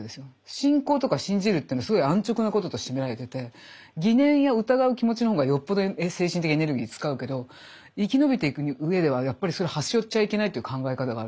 信仰とか信じるっていうのすごい安直なこととして見られてて疑念や疑う気持ちの方がよっぽど精神的エネルギー使うけど生きのびていく上ではやっぱりそれ端折っちゃいけないっていう考え方がある。